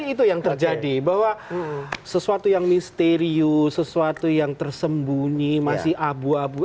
itu yang terjadi bahwa sesuatu yang misterius sesuatu yang tersembunyi masih abu abu